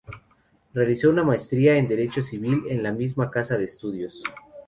Realizó una maestría en Derecho civil en la misma casa de estudios.